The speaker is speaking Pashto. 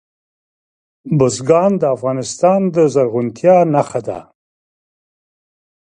بزګان د افغانستان د زرغونتیا نښه ده.